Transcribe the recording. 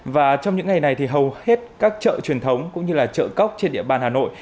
và trong những ngày này thì hầu hết các chợ truyền thống cũng như là chợ cóc trên địa bàn hà nội